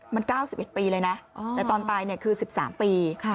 มัน๙๑ปีเลยนะแต่ตอนตายคือ๑๓ปี